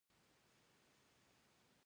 خړ خړ موټرونه پوځیان انتقالول.